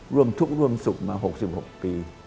ร่วมทุกข์ร่วมสุขมา๖๖ปี